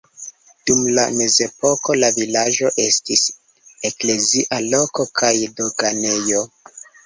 Dum la mezepoko la vilaĝo estis eklezia loko kaj doganejo.